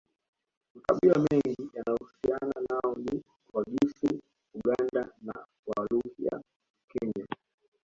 Makabila mengine yanayohusiana nao ni Wagisu Uganda na Waluya Kenya